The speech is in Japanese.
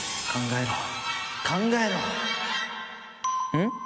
うん？